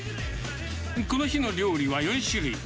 この日の料理は４種類。